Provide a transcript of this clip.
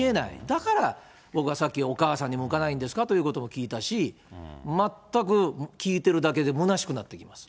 だから、僕はさっきお母さんに向かないんですかということを聞いたし、全く聞いてるだけでむなしくなってきます。